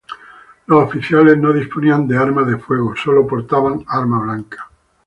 Los oficiales no disponían de armas de fuego, sólo portaban arma blanca.